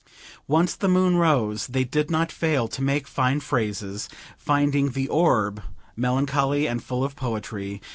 Once the moon rose; they did not fail to make fine phrases, finding the orb melancholy and full of poetry.